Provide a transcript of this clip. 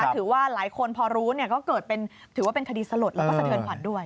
ถือว่าหลายคนพอรู้ก็เกิดเป็นคดีสลดและสะเทินผ่านด้วย